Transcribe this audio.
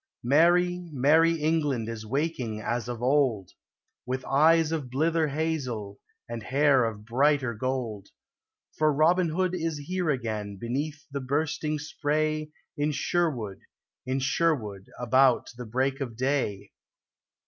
Merry, merry England is waking as of old, With eyes of blither hazel and hair of brighter gold : For Robin Hood is here again beneath the bursting spray In Sherwood, in Sherwood, about the break of day.